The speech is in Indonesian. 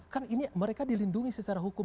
kan ini mereka dilindungi secara hukum